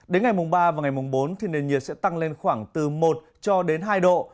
đến ngày ba và ngày bốn nền nhiệt sẽ tăng lên khoảng từ một hai độ